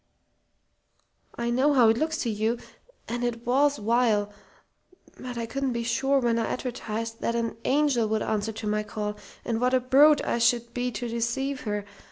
"I know how it looks to you. And it was vile. But I couldn't be sure when I advertised what an angel would answer to my call, and what a brute I should be to deceive her.